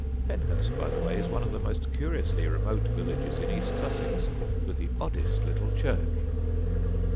Penhurst, by the way, is one of the most curiously remote villages in east Sussex, with the oddest little church.